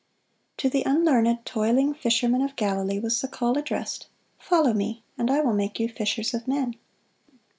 To the unlearned, toiling fishermen of Galilee was the call addressed, "Follow Me, and I will make you fishers of men."